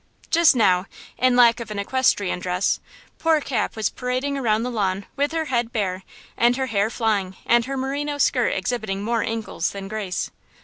Just now, in lack of an equestrian dress, poor Cap was parading around the lawn with her head bare and her hair flying and her merino skirt exhibiting more ankles than grace.